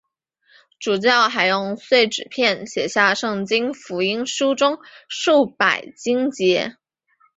主教还用碎纸片写下圣经福音书中数百经节。